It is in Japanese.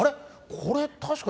これ確か、